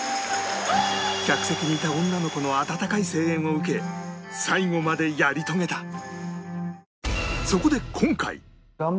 客席にいた女の子の温かい声援を受け最後までやり遂げた